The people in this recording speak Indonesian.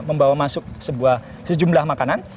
membawa masuk sebuah sejumlah makanan